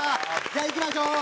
じゃあ行きましょう。